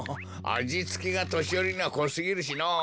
あじつけがとしよりにはこすぎるしのう。